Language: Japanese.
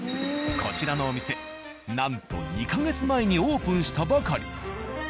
こちらのお店なんと２カ月前にオープンしたばかり。